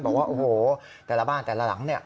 บอกว่าโอ้โหแต่ละบ้านแต่ละหลังเนี่ย